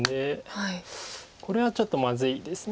これはちょっとまずいです。